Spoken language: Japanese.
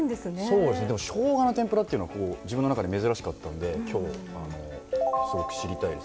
そうですねでもしょうがの天ぷらっていうのは自分の中で珍しかったんで今日すごく知りたいです